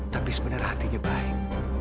tapi sebenarnya hatinya baik